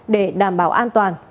để đảm bảo an toàn